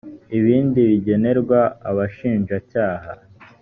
ibindi begenerwa abashinja cyaha.